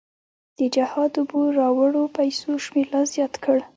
د جهاد اوبو راوړو پیسو شمېر لا زیات کړ.